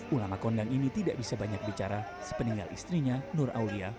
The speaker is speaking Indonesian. ulama kondang ini tidak bisa banyak bicara sepeninggal istrinya nur aulia